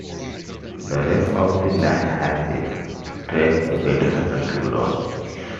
The rest of the line has its tracks located underground.